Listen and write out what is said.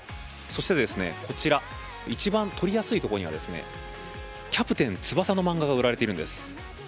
そしてこちら一番取りやすい所には「キャプテン翼」の漫画が売られているんです。